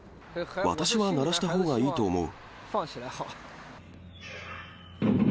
私は鳴らしたほうがいいと思う。